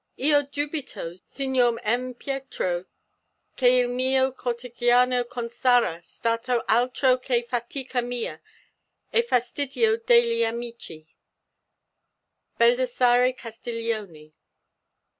"Io dubito, Signor M. Pietro che il mio Cortegiano non sarà stato altro che fatica mia, e fastidio degli amici." BALDASSARRE CASTIGLIONE.